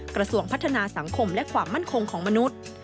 กระทรวงพัฒนาสังคมและความมั่นคงของมนุษย์